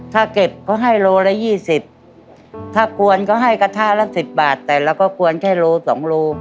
ถ้าเก็บเขาให้โลละยี่สิบถ้ากวนก็ให้กระทะละสิบบาทแต่เราก็กวนแค่โลสองโล